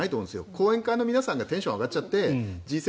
後援会の皆さんがテンション上がっちゃってＧ７